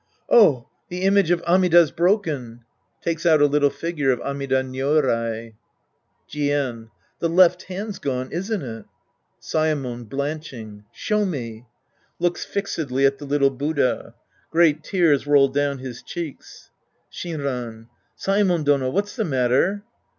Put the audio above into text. Oh, the image of Amida's broken ! {Takes out a little figure of Amida Nyorai!) Jien. The left hand's gone, isn't it ? Saemon {blanching). Show me. {Looks fixedly at the little Buddha. Great tears roll doivn his cheeks.) Shinran. Saemon Dono, what's the matter